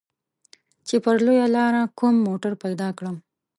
چې پر لويه لاره کوم موټر پيدا کړم.